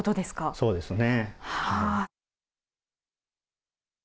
そうですね。